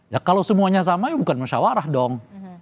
ya kalau semuanya sama ya bukan musyawarah dong